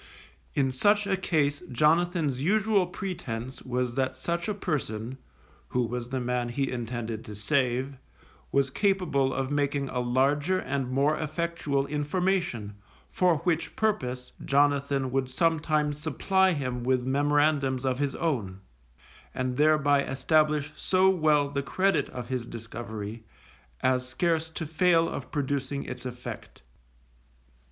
In such a case Jonathan's usual pretence was that such a person (who was the man he intended to save) was capable of making a larger and more effectual information, for which purpose Jonathan would sometimes supply him with memorandums of his own, and thereby establish so well the credit of his discovery, as scarce to fail of producing its effect.